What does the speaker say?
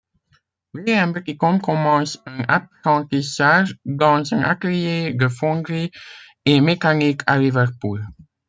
William Buddicom commence un apprentissage dans un atelier de fonderie et mécanique à Liverpool.